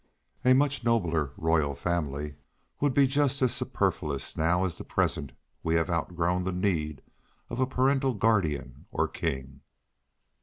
A much nobler royal family would be just as superfluous now as the present we have outgrown the need of a paternal or guardian king.